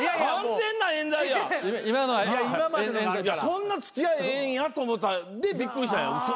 そんな付き合いええんやと思ったんでびっくりしたんや「嘘！」